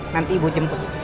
nanti ibu jemput